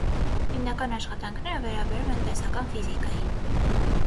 Հիմնական աշխատանքները վերաբերում են տեսական ֆիզիկային։